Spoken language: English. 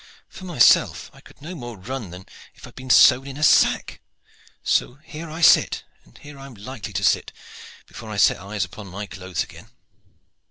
For myself, I could no more run than if I had been sown in a sack; so here I sit, and here I am like to sit, before I set eyes upon my clothes again."